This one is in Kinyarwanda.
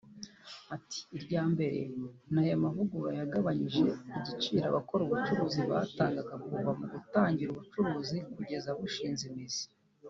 Ati “Irya mbere ni aya mavugurura yagabanyije igiciro abakora ubucuruzi batangaga kuva mu gutangira ubucuruzi kugeza bushinze imizi